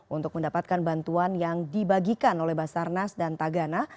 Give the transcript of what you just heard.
untuk mendapatkan bantuan yang dibagikan oleh basarnas dan tagana